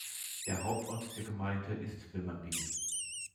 Der Hauptort der Gemeinde ist Vimmerby.